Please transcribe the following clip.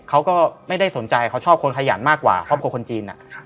เขาก็ไม่ได้สนใจเขาชอบคนขยันมากกว่าครอบครัวคนจีน